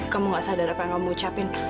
kamu gak sadar apa yang kamu ucapin